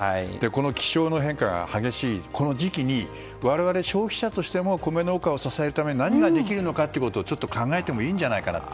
気象の変化が激しいこの時期に、我々消費者としても米農家を支えるために何ができるかを考えてもいいんじゃないかなと。